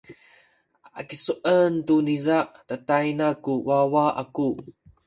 a kisuen tu niza tatayna ku wawa aku.